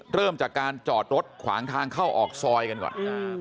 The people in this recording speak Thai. เริ่มจากการจอดรถขวางทางเข้าออกซอยกันก่อน